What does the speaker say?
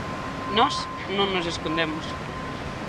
Nós non nos escondemos.